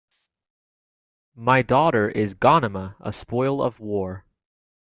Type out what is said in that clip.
My daughter is Ghanima, a spoil of war.